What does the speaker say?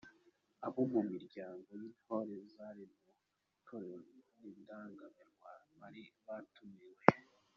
Abo mu miryango y'Intore zari mu Itorero ry'Indangamirwa bari batumiwe.